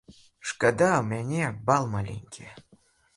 Шкада, у мяне бал маленькі.